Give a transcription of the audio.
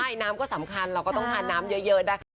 ใช่น้ำก็สำคัญเราก็ต้องทานน้ำเยอะนะคะ